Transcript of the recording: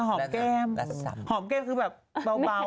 หอมแก้มหอมแก้มคือแบบเบา